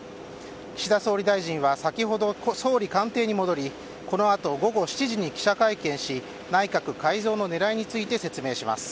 岸田総理大臣は先ほど総理官邸に戻りこのあと午後７時、記者会見し内閣改造の狙いについて説明します。